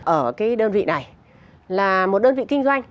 ở cái đơn vị này là một đơn vị kinh doanh